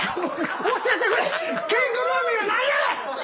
教えてくれ！